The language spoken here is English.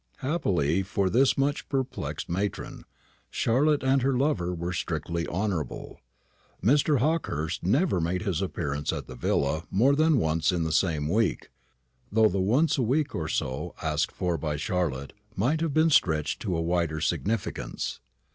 Happily for this much perplexed matron, Charlotte and her lover were strictly honourable. Mr. Hawkehurst never made his appearance at the villa more than once in the same week, though the "once a week or so" asked for by Charlotte might have been stretched to a wider significance.